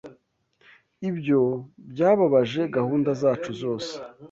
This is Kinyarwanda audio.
Ibyo byababaje gahunda zacu zose.